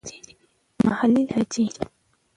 محلې لهجې.